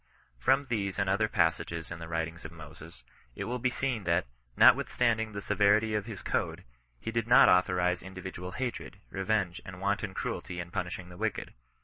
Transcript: From these and other passages in the writings of Moses, it will be seen that, notwithstanding the se verity of his code, he did not authorize individual haixed, revenge, and wanton cruelty in punishing the wicked.